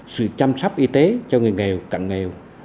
sự chăm sóc y tế cho người nghèo cận nghèo